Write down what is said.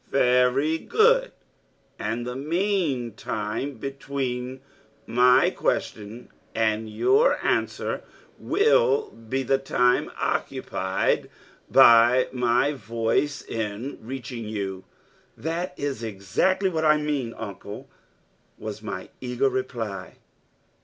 .......... "Very good; and the mean time between my question and your answer will be the time occupied by my voice in reaching you." .......... "That is exactly what I mean, Uncle," was my eager reply.